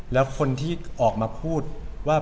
แล้วคนที่ออกมาพูดว่า